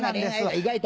意外と。